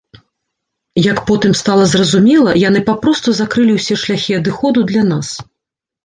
Як потым стала зразумела, яны папросту закрылі ўсе шляхі адыходу для нас.